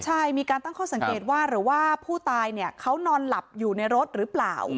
ใช่มีการตั้งข้อสังเกตว่าหรือว่าผู้ตายเนี่ยเขานอนหลับอยู่ในรถหรือเปล่า